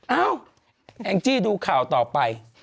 เอ้าแองจี้ดูข่าวต่อไป